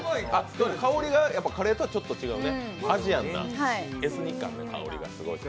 香りがカレーとはちょっと違う、アジアンなエスニカンな香りがすごい。